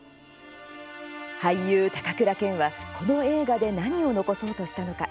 俳優、高倉健はこの映画で何を残そうとしたのか。